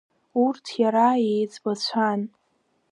Урҭ иара иеиҵбацәан.